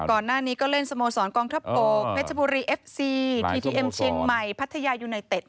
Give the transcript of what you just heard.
ก่อนหน้านี้ก็เล่นสโมสรกองทัพบกเพชรบุรีเอฟซีทีเอ็มเชียงใหม่พัทยายูไนเต็ด